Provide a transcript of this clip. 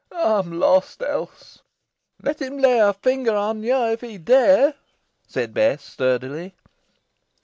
"Ey am lost else." "Let him lay a finger on yo if he dare," said Bess, sturdily.